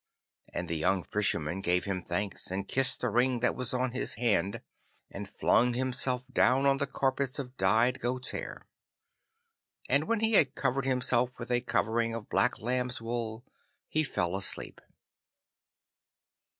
And the young Fisherman gave him thanks, and kissed the ring that was on his hand, and flung himself down on the carpets of dyed goat's hair. And when he had covered himself with a covering of black lamb's wool he fell asleep.